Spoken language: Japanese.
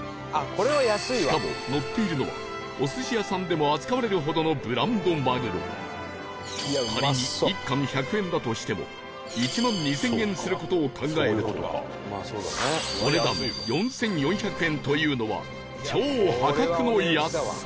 しかものっているのはお寿司屋さんでも扱われるほどの仮に１貫１００円だとしても１万２０００円する事を考えるとお値段４４００円というのは超破格の安さ